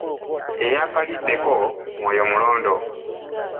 Eyaakaliddeko, omwoyo mulondo.